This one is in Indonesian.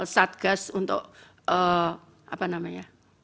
satgas untuk apa namanya